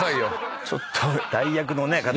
ちょっと代役の方。